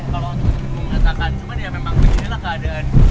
kalau mengerasakan cuma dia memang beginilah keadaan